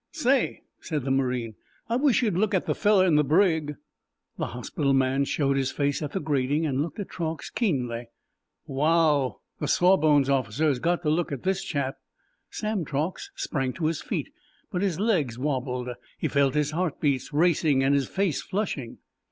"Say," said the marine, "I wish you'd look at the feller in the brig." The hospital man showed his face at the grating and looked at Truax keenly. "Wow! The sawbones officer has got to look at this chap!" Sam Truax sprang to his feet, but his legs wobbled. He felt his heart beats racing and his face flushing.